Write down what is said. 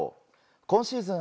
今シーズン